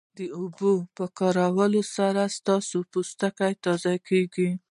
د اوبو په کارولو سره ستاسو پوستکی تازه کیږي